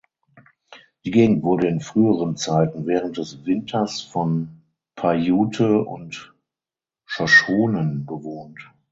Die Gegend wurde in früheren Zeiten während des Winters von Paiute und Shoshonen bewohnt.